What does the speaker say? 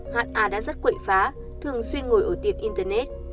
ha đã rất quậy phá thường xuyên ngồi ở tiệm internet